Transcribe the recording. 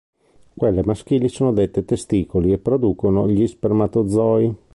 Quelle maschili sono dette testicoli e producono gli spermatozoi.